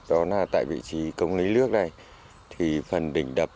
đó là tại vị trí công lý lước này